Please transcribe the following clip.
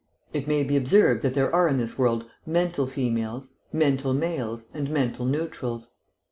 It may be observed that there are in this world mental females, mental males, and mental neutrals.